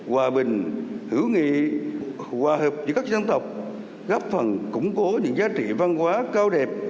hòa bình hữu nghị hòa hợp giữa các dân tộc góp phần củng cố những giá trị văn hóa cao đẹp